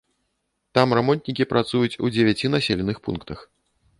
Там рамонтнікі працуюць у дзевяці населеных пунктах.